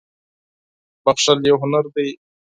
• بښل یو هنر دی.